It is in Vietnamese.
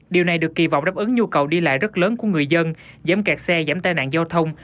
điều này được kỳ vọng đáp ứng nhu cầu đi lại rất lớn của người dân giảm kẹt xe giảm tai nạn giao thông